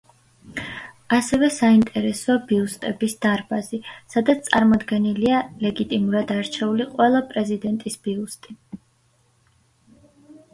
ასევე საინტერესოა ბიუსტების დარბაზი, სადაც წარმოდგენილია ლეგიტიმურად არჩეული ყველა პრეზიდენტის ბიუსტი.